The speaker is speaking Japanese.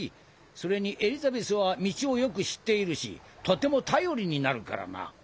それにエリザベスは道をよく知っているしとても頼りになるからな。